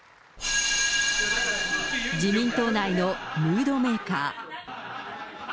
自民党内のムードメーカー。